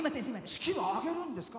式は挙げるんですか？